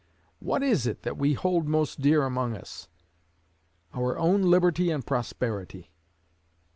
What is it that we hold most dear among us? Our own liberty and prosperity.